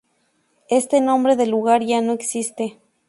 Este nombre del lugar ya no existe.